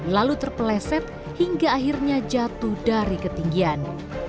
lalu terpeleset hingga akhirnya jatuh dari ketinggian